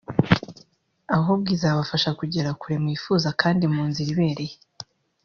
ahubwo izabafasha kugera kure mwifuza kandi mu nzira ibereye”